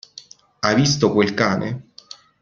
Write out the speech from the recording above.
Hai visto quel cane?